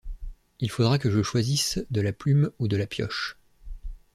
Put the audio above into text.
Il faudra que je choisisse de la plume ou de la pioche.